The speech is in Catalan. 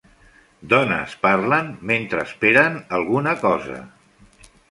Dones parlen mentre esperen alguna cosa.